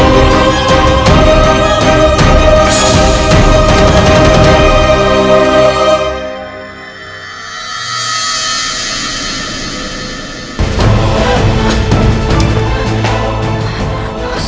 tidak tidak tidak